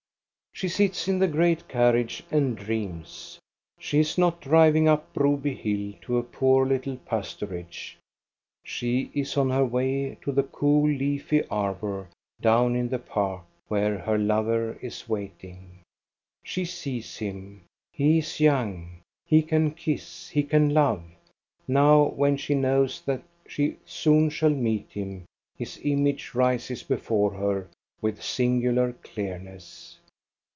She sits in the great carriage and dreams. She is not driving up Broby hill to a poor little pastorage. She is on her way to the cool leafy arbor down in the park, where her lover is waiting. She sees him ; he is young, he can kiss, he can love. Now, when she knows that she soon shall meet him his image rises before her with singular clearness.